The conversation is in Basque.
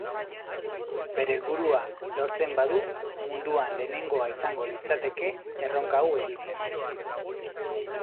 Bere helburua lortzen badu munduan lehenengoa izango litzateke erronka hau egiten.